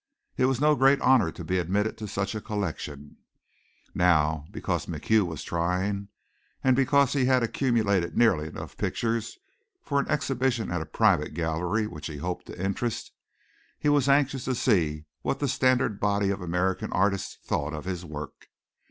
It was no great honor to be admitted to such a collection. Now, because MacHugh was trying, and because he had accumulated nearly enough pictures for exhibition at a private gallery which he hoped to interest, he was anxious to see what the standard body of American artists thought of his work.